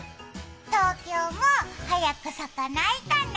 東京も早く咲かないかな。